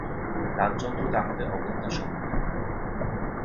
রামচন্দ্র তাহাতে অগত্যা সম্মত হইলেন।